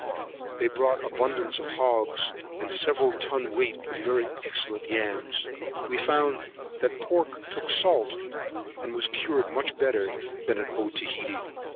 They brought abundance of hogs, and several ton weight of very excellent yams. We found that the pork took salt, and was cured much better here than at Otaheite.